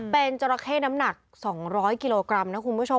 เป็นจราเข้น้ำหนัก๒๐๐กิโลกรัมนะคุณผู้ชม